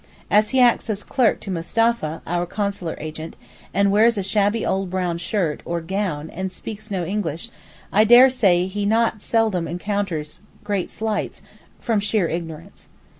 As he acts as clerk to Mustapha, our consular agent, and wears a shabby old brown shirt, or gown, and speaks no English, I dare say he not seldom encounters great slights (from sheer ignorance).